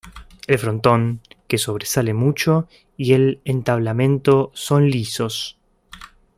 El frontón, que sobresale mucho, y el entablamento son lisos.